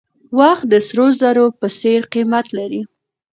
وخت د سرو زرو په څېر قیمت لري.